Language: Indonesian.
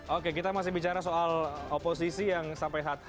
oke kita masih bicara soal oposisi yang sampai hari ini masih menjadi teka teki